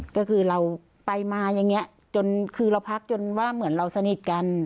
ก็คือเราไปมาอย่างนี้จนคือเราพักจนว่าเหมือนเราสนิทกัน